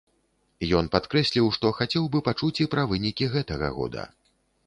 Ён падкрэсліў, што хацеў бы пачуць і пра вынікі гэтага года.